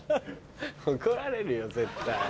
怒られるよ絶対。